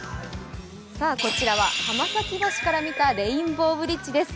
こちらは浜崎橋から見たレインボーブリッジです。